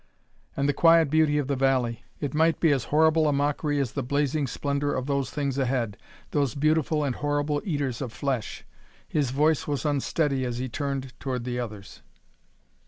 And the quiet beauty of the valley it might be as horrible a mockery as the blazing splendor of those things ahead those beautiful and horrible eaters of flesh! His voice was unsteady as he turned toward the others.